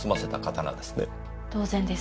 当然です。